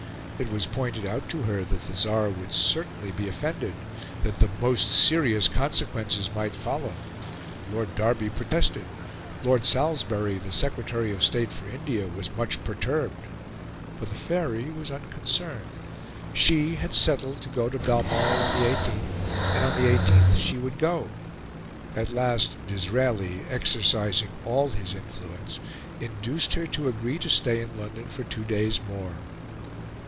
It was pointed out to her that the Tsar would certainly be offended, that the most serious consequences might follow; Lord Derby protested; Lord Salisbury, the Secretary of State for India, was much perturbed. But the Faery was unconcerned; she had settled to go to Balmoral on the 18th, and on the 18th she would go. At last Disraeli, exercising all his influence, induced her to agree to stay in London for two days more.